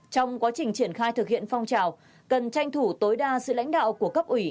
trong quá trình triển khai thực hiện phong trào cần tranh thủ tối đa sự lãnh đạo của cấp ủy